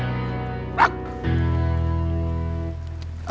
istirahat ke depan